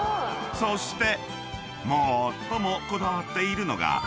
［そして最もこだわっているのが］